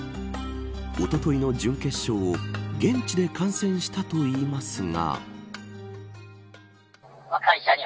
おとといの準決勝を現地で観戦したといいますが。